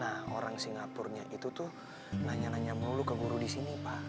nah orang singapuranya itu tuh nanya nanya mau lu ke guru di sini pak